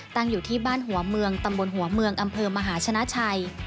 ตั้งอยู่ที่บ้านหัวเมืองตำบลหัวเมืองอำเภอมหาชนะชัย